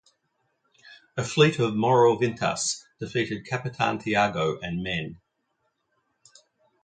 A fleet of "moro vintas" defeated Capitan Tiago and men.